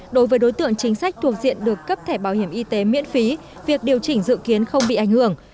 đối với đối tượng chính sách thuộc diện được cấp thẻ bảo hiểm y tế miễn phí việc điều chỉnh dự kiến không bị ảnh hưởng